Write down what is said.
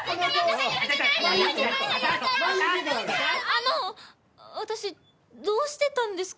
あの私どうしてたんですか？